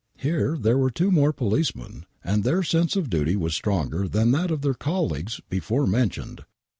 Here there were two more policemen, and their sense of duty was stronger than that of their colleagues before mentioned.